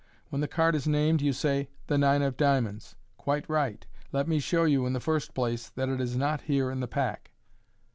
When the card is named, you say, " The nine of diamonds. Quite right ! Let me show you, in the first place, that it is not here in the pack.'